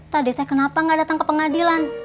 tadi saya kenapa gak datang ke pengadilan